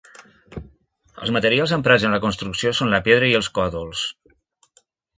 Els materials emprats en la construcció són la pedra i els còdols.